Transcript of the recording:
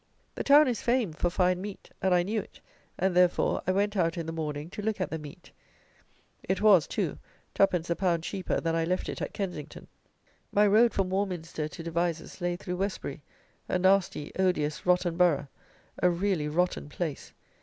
The town is famed for fine meat; and I knew it, and, therefore, I went out in the morning to look at the meat. It was, too, 2_d._ a pound cheaper than I left it at Kensington. My road from Warminster to Devizes lay through Westbury, a nasty odious rotten borough, a really rotten place.